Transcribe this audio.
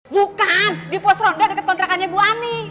bukan di pos ronda deket kontrakannya bu ani